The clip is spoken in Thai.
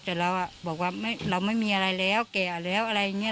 แต่เราบอกว่าเราไม่มีอะไรแล้วแก่แล้วอะไรอย่างนี้